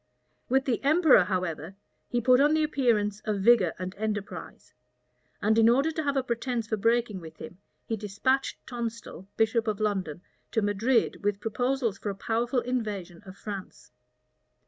With the emperor, however, he put on the appearance of vigor and enterprise; and in order to have a pretence for breaking with him, he despatched Tonstal, bishop of London, to Madrid with proposals for a powerful invasion of France.